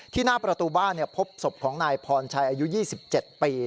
หน้าประตูบ้านพบศพของนายพรชัยอายุ๒๗ปี